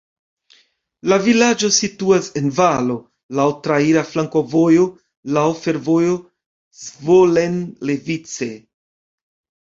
La vilaĝo situas en valo, laŭ traira flankovojo, laŭ fervojo Zvolen-Levice.